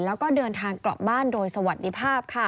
แล้วก็เดินทางกลับบ้านโดยสวัสดีภาพค่ะ